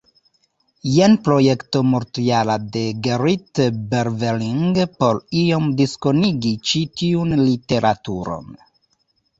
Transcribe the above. Jen projekto multjara de Gerrit Berveling por iom diskonigi ĉi tiun literaturon.